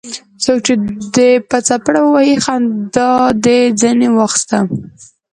څوک چي دي په څپېړه ووهي؛ خندا دي ځني واخسته.